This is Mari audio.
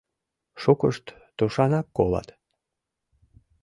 Шукышт тушанак колат.